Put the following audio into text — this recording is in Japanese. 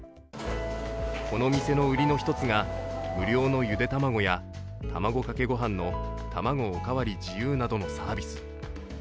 この店の売りの一つが無料のゆで卵や卵かけご飯の卵おかわり自由などのサービス。